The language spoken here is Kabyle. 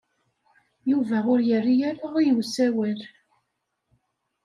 Yuba ur yerri ara i usawal.